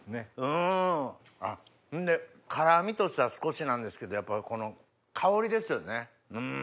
ほんで辛みとしては少しなんですけどやっぱこの香りですよねうん！